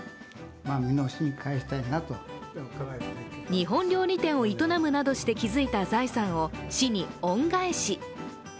日本料理店を営むなどして築いた財産を市に恩返し。